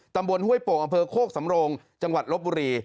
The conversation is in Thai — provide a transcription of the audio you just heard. ห้วยโป่งอำเภอโคกสำโรงจังหวัดลบบุรี